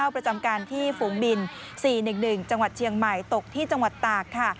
ประจำการที่ฝูงบิน๔๑๑จังหวัดเชียงใหม่ตกที่จังหวัดตากค่ะ